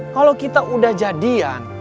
kalau kita udah jadian